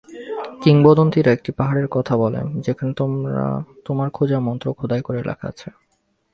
কিংবদন্তিরা একটা পাহাড়ের কথা বলে যেখানে তোমার খোঁজা মন্ত্র খোদাই করে লেখা আছে।